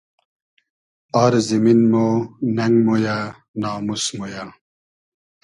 آر زیمین مۉ نئنگ مۉیۂ ناموس مۉ یۂ